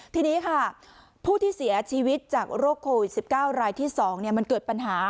ทีนี้ค่ะผู้ที่เสียชีวิตจากโรคโควิด๑๙รายที่๒มันเกิดปัญหา